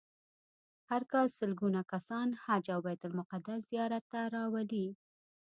هر کال سلګونه کسان حج او بیت المقدس زیارت ته راولي.